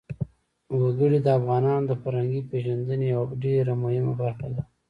وګړي د افغانانو د فرهنګي پیژندنې یوه ډېره مهمه برخه ده.